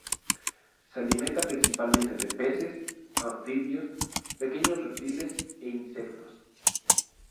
Se alimenta principalmente de peces, anfibios, pequeños reptiles e insectos.